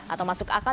atau masuk akal